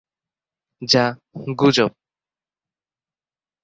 যা গুজব।